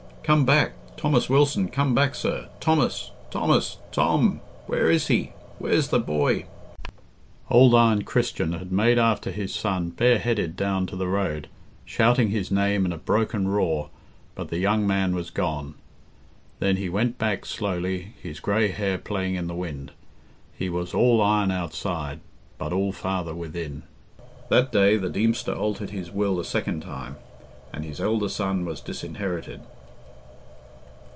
Come back! Thomas Wilson, come back, sir! Thomas! Thomas! Tom! Where is he? Where's the boy?" Old Iron Christian had made after his son bareheaded down to the road, shouting his name in a broken roar, but the young man was gone. Then he went back slowly, his grey hair playing in the wind. He was all iron outside, but all father within. That day the Deemster altered his will a second time, and his elder son was disinherited.